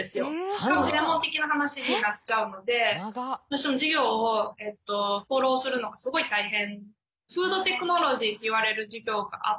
しかも専門的な話になっちゃうのでどうしても授業をフォローするのがすごい大変。